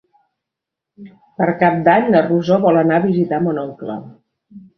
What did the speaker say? Per Cap d'Any na Rosó vol anar a visitar mon oncle.